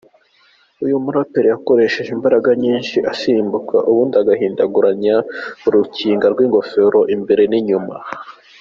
Uyu muraperi yakoresheje imbaraga nyinshi asimbuka, ubundi agahindaguranya urukinga rw’ingofero imbere n’inyuma.